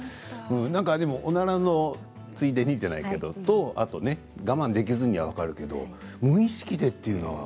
おならのついでにじゃないけどあと我慢できずには分かるけども無意識でというのは。